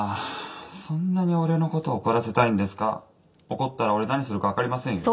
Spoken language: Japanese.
怒ったら俺何するかわかりませんよ。